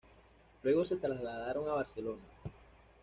Luego se trasladaron a Barcelona.